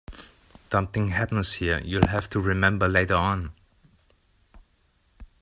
Something happens here you'll have to remember later on.